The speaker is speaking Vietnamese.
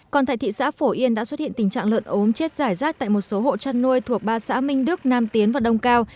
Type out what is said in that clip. còn tại thị xã phổ yên đã xuất hiện tình trạng lợn ốm chết giải rác tại một số hộ chăn nuôi thuộc ba xã minh đức nam tiến và đông cao